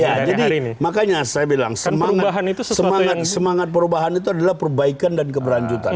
ya jadi makanya saya bilang semangat perubahan itu adalah perbaikan dan keberlanjutan